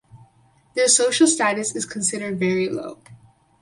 Their social status is considered very low.